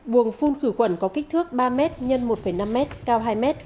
buồng phun khử khuẩn có kích thước ba m x một năm m cao hai m